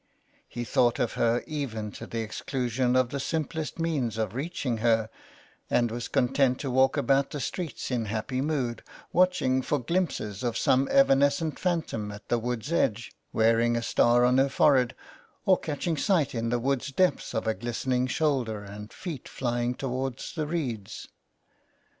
He thought of her even to the exclusion of the simplest means of reaching her, and was content to walk about the streets in happy mood, watching for glimpses of some evanescent phantom at the wood's edge wearing a star on her forehead, or catching sight in the wood's depths of a glistening shoulder and feet flying towards the reeds.